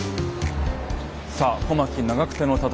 さあ小牧・長久手の戦い。